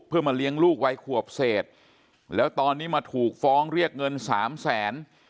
เพื่อมาเลี้ยงลูกวัยขวบเศษแล้วตอนนี้มาถูกฟ้องเรียกเงินสามแสน